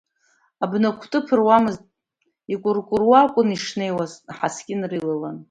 Абнакәты ԥыруамызт, икәыркәыруа акәын ишнеиуаз, аҳаскьынра илаланы.